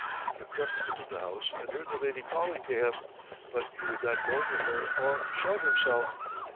He crept into the house and heard the lady calling to him, but he would not go to her or show himself.